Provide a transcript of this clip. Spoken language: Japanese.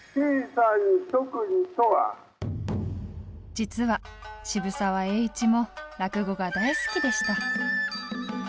実は渋沢栄一も落語が大好きでした。